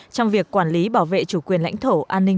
trong việc quản lý bảo vệ chủ quyền lãnh thổ